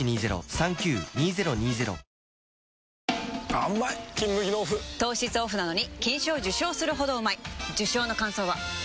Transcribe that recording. あーうまい「金麦」のオフ糖質オフなのに金賞受賞するほどうまい受賞の感想は？